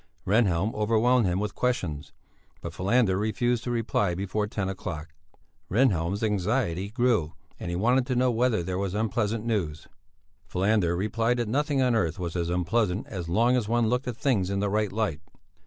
Rehnhjelm overwhelmed him with questions, but Falander refused to reply before ten o'clock. Rehnhjelm's anxiety grew and he wanted to know whether there was unpleasant news; Falander replied that nothing on earth was unpleasant as long as one looked at things in the right light.